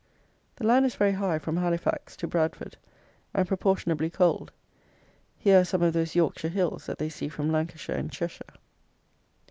The land is very high from Halifax to Bradford, and proportionably cold. Here are some of those "Yorkshire Hills" that they see from Lancashire and Cheshire.